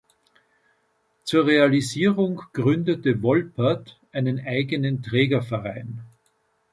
Zur Realisierung gründete Wolpert einen eigenen Trägerverein.